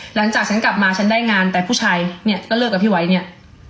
หลังจากฉันกลับมาฉันได้งานแต่ผู้ชายเนี่ยก็เลิกกับพี่ไว้เนี่ย